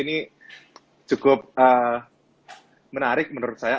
ini cukup menarik menurut saya